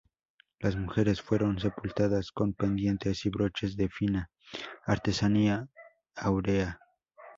Las mujeres fueron sepultadas con pendientes y broches de fina artesanía áurea.